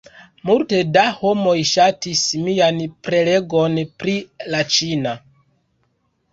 Multe da homoj ŝatis mian prelegon pri la ĉina